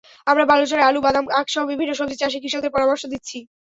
আমরা বালুচরে আলু, বাদাম, আখসহ বিভিন্ন সবজি চাষে কৃষকদের পরামর্শ দিচ্ছি।